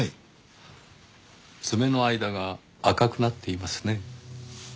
爪の間が赤くなっていますね。